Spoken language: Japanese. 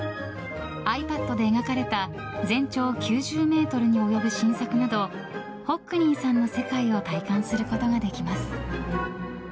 ｉＰａｄで描かれた全長９０ｍに及ぶ新作などホックニーさんの世界を体感することができます。